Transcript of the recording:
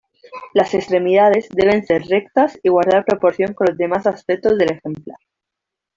Las extremidades deben ser rectas y guardar proporción con los demás aspectos del ejemplar.